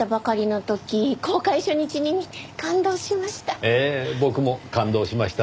ええ僕も感動しました。